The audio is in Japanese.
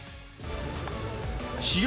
試合